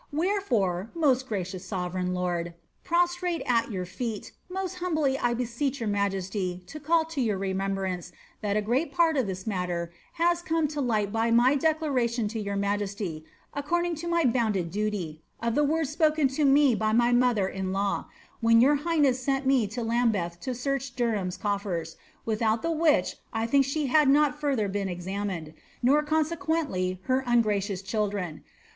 "Wherefore, most gracious sovereign lord, prostrate at your feet, most humbly I beseech your majesty to call to your remembrance that a great part of this matter has come to light by my declaration to your majesty, according to my bounden duty, of the words spoken to me by my mother in law, when your highness scut me to Lambeth to search Derham's coffers, without the which I think she had not further been examined, nor consequently her ungracious children.